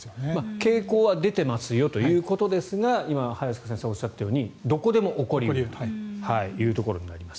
傾向は出ていますよということなんですが今早坂先生がおっしゃったようにどこでも起こり得るということになります。